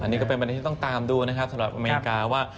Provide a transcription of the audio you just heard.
อันนี้ก็เป็นประเด็นที่ต้องตามดูนะครับสำหรับอเมริกาว่า